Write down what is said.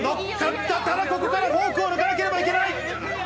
ただここからフォークを抜かなければいけない。